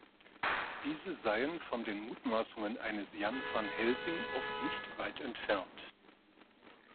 Diese seien von den Mutmaßungen eines Jan van Helsing oft nicht weit entfernt.